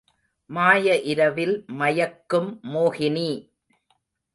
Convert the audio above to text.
மாய இரவில் மயக்கும் மோகினி!